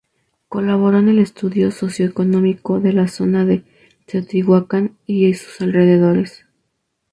Colaboró en el estudio socio-económico de la zona de Teotihuacán y sus alrededores.